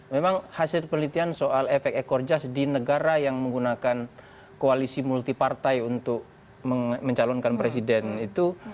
memang hasil penelitian soal efek ekor jas di negara yang menggunakan koalisi multi partai untuk mencalonkan presiden itu